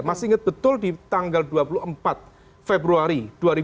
masih ingat betul di tanggal dua puluh empat februari dua ribu dua puluh